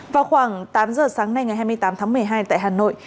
vào khoảng tám giờ sáng nay ngày hai mươi tám tháng một mươi hai tại hà nội